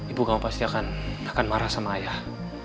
ibu kamu pasti akan marah sama ayah